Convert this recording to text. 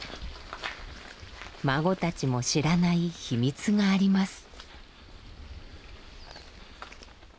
孫たちも知らない秘密があります。